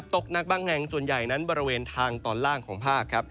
ตกหนักบางแห่งส่วนใหญ่นั้นบริเวณทางตอนล่างของภาคครับ